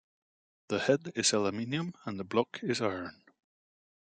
The head is aluminium and the block is iron.